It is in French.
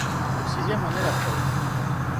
Le sixième en est la preuve.